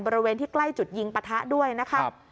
บริเวณที่ใกล้จุดยิงปะทะด้วยนะครับ